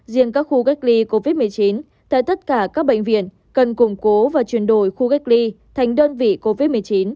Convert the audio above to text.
riêng các khu cách ly covid một mươi chín tại tất cả các bệnh viện cần củng cố và chuyển đổi khu cách ly thành đơn vị covid một mươi chín